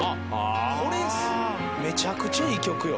これめちゃくちゃいい曲よ。